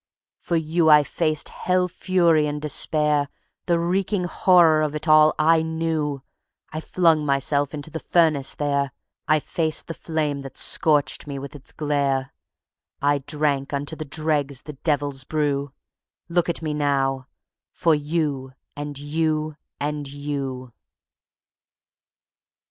For you I faced hell fury and despair; The reeking horror of it all I knew: I flung myself into the furnace there; I faced the flame that scorched me with its glare; I drank unto the dregs the devil's brew Look at me now for you and you and you. ..